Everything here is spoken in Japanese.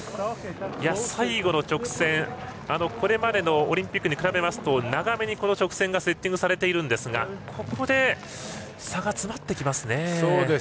最後の直線、これまでのオリンピックに比べますと長めに直線がセッティングされていますがここで差が詰まってきますね。